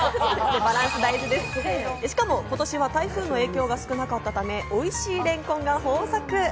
しかも今年は台風の影響が少なかったため、おいしいれんこんが豊作。